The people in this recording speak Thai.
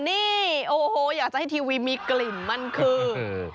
นี่โอ้โหอยากจะให้ทีวีมีกลิ่นมันคือ